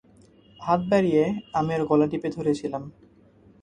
হাত বাড়িয়ে আমি ওর গলাটিপে ধরেছিলাম।